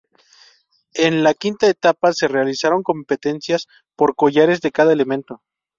En la quinta etapa, se realizaron competencias por collares de cada elemento.